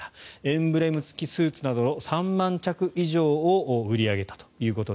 エンブレム付きスーツなど３万着以上を売り上げたと。